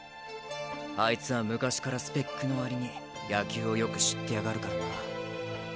あいつは昔からスペックのわりに野球をよく知ってやがるからな。